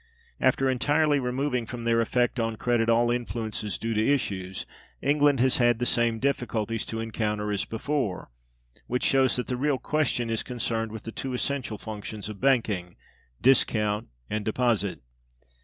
After entirely removing from their effect on credit all influences due to issues, England has had the same difficulties to encounter as before, which shows that the real question is concerned with the two essential functions of banking—discount and deposit.